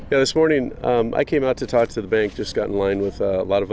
jadi itu adalah yang kita ingin meneliti